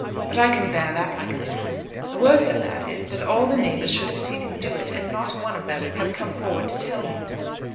But I can bear that like a man. The worst of that is, that all the neighbours should have seen him do it, and not one of them have come forward to tell me."